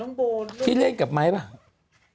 น้องโบพี่เล่นกับไมส์ไหม